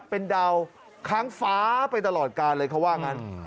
เป็นดาวค้างฟ้าไปตลอดกาลเลยเขาว่างั้น